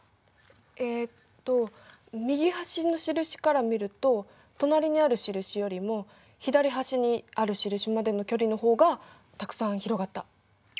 えっと右端の印から見ると隣にある印よりも左端にある印までの距離の方がたくさん広がった。